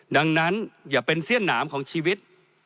ดังนั้นอย่าเป็นเสี้ยนหนามของชีวิต